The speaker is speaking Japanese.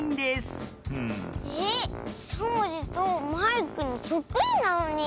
えしゃもじとマイクにそっくりなのに。